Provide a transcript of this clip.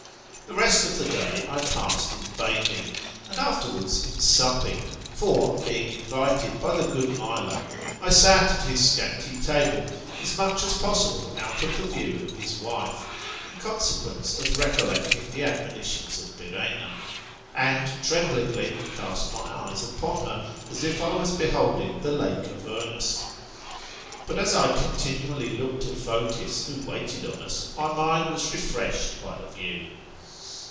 The rest of the day I passed in bathing, and afterwards in supping; for, being invited by the good. Milo, I sat at his scanty table, as much as possible out of the view of his wife, in consequence of recollecting the admonitions of Byrrhaena; and, tremblingly, cast my eyes upon her, af if I was beholding the lake Avernus.^ But as I continually looked at Fotis, who waited on us, my mind was refreshed by the view.